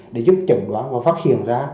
để giúp chẩn đoán và phát hiện ra